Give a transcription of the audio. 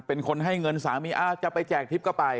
เป็นคนให้เงินสามีอ้าวจะไปแจกทิพย์ก็ไป